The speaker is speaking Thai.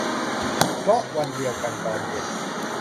เพราะวันเดียวกันตอนเย็น